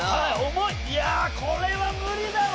いやこれは無理だわ！